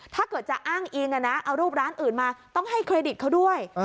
ถ้าเกิดจะอ้างอิงเอารูปร้านอื่นมาต้องให้เครดิตเขาด้วย